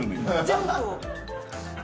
ジャンプを。